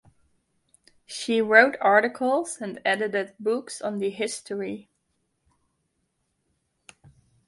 She wrote articles and edited books on the history.